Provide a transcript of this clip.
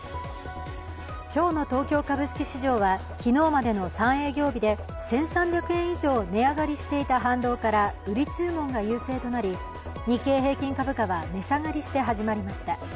今日の東京株式市場は昨日までの３営業日まで１３００円以上値上がりしていた反動から売り注文が優勢となり日経平均株価は値下がりして始まりました。